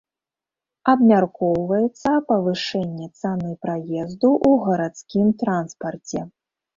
Абмяркоўваецца павышэнне цаны праезду ў гарадскім транспарце.